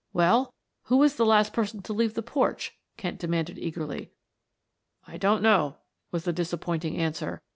"Well, who was the last person to leave the porch?" Kent demanded eagerly. "I don't know," was the disappointing answer.